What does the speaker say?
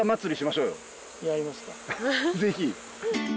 ぜひ。